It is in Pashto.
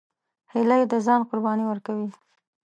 هیلۍ د ځان قرباني ورکوي